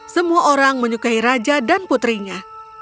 semua orang menyukai raja dan putrinya